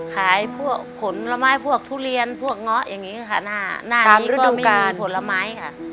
ขายพวกผลไม้พวกทุเรียนพวกเงาะอย่างนี้ค่ะหน้านี้ก็ไม่มีผลไม้ค่ะ